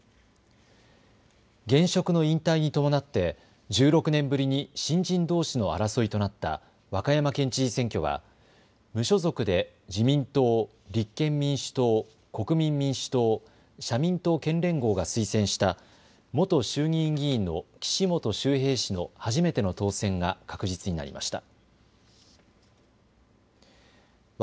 現職の引退に伴って１６年ぶりに新人どうしの争いとなった和歌山県知事選挙は無所属で自民党、立憲民主党、国民民主党、社民党県連合が推薦した元衆議院議員の岸本周平氏の初めての当選が確実になりました。